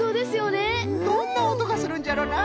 どんなおとがするんじゃろなあ。